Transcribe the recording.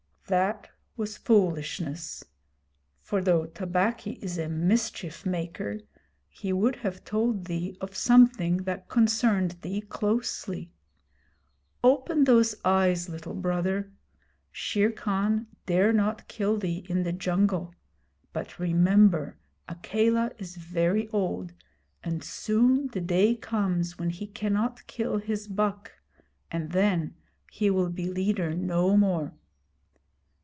'That was foolishness; for though Tabaqui is a mischief maker, he would have told thee of something that concerned thee closely. Open those eyes, Little Brother. Shere Khan dare not kill thee in the jungle; but remember, Akela is very old, and soon the day comes when he cannot kill his buck, and then he will be leader no more.